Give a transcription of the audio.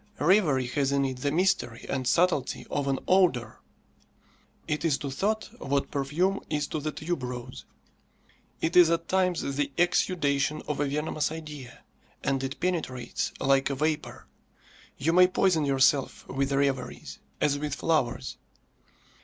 Reverie has in it the mystery and subtlety of an odour. It is to thought what perfume is to the tuberose. It is at times the exudation of a venomous idea, and it penetrates like a vapour. You may poison yourself with reveries, as with flowers.